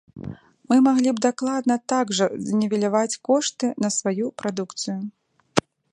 Мы маглі б дакладна так жа знівеляваць кошты на сваю прадукцыю.